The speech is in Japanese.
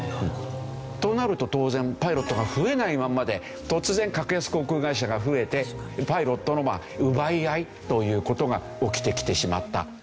となると当然パイロットが増えないままで突然格安航空会社が増えてパイロットの奪い合いという事が起きてきてしまった。